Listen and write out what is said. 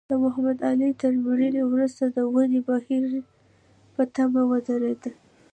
د محمد علي تر مړینې وروسته د ودې بهیر په ټپه ودرېد.